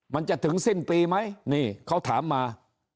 มันจะถึงสิ้นปีไหมนี่เขาถามมา